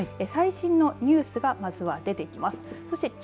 最新のニュースがまずは出てきます。